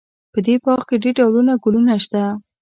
په دې باغ کې ډېر ډولونه ګلونه شته